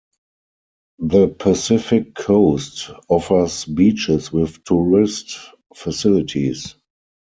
The Pacific coast offers beaches with tourist facilities.